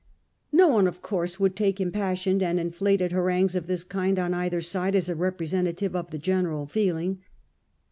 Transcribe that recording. No one, of course, would take impassioned and inflated harangues of this kind on either side as a representation of the general feeling.